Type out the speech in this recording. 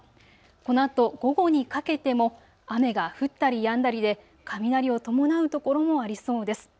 このあと午後にかけても雨が降ったりやんだりで雷を伴う所もありそうです。